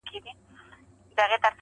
سرې سرې سترګي هیبتناکه کوټه سپی ؤ,